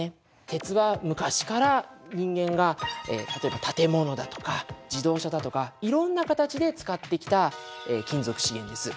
鉄は昔から人間が例えば建物だとか自動車だとかいろんな形で使ってきた金属資源です。